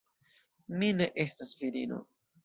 Mi ne estas virino.